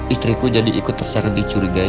istriku jadi ikut terserang dicurigai